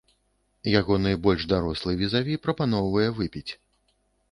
Ягоны больш дарослы візаві прапаноўвае выпіць.